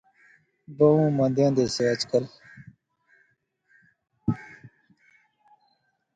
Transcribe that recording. بہوں مندیاں دیسے اج کل